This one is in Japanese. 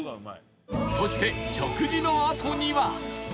そして食事のあとには